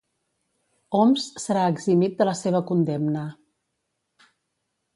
Homs serà eximit de la seva condemna